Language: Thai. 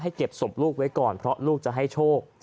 เก็บศพลูกไว้ก่อนเพราะลูกจะให้โชค